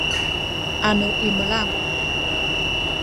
anu imelang